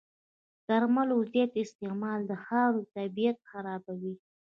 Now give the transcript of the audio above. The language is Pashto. د درملو زیات استعمال د خاورې طبعیت خرابوي.